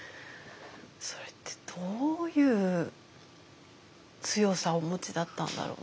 それってどういう強さをお持ちだったんだろうなって思いますね。